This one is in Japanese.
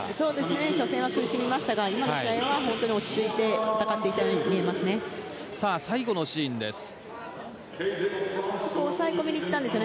初戦は苦しみましたが今の試合は本当に落ち着いて戦っていたように見えますね。